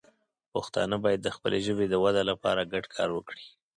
پښتانه باید د خپلې ژبې د وده لپاره ګډ کار وکړي.